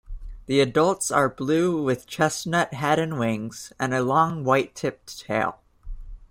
The adults are blue with chestnut head and wings, and a long white-tipped tail.